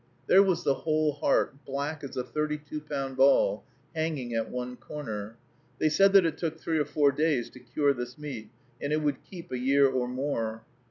There was the whole heart, black as a thirty two pound ball, hanging at one corner. They said that it took three or four days to cure this meat, and it would keep a year or more.